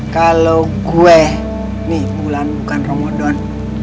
kalau gue nih bulan bukan ramadan